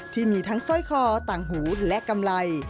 ที่มีทั้งสร้อยคอต่างหูและกำไร